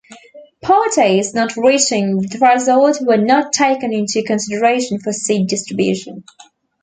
Parties not reaching the threshold were not taken into consideration for seat distribution.